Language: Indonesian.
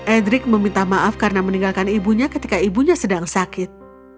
edrik meminta maaf karena meninggalkan ibunya ketika ibunya sedang sakit